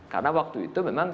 karena waktu itu memang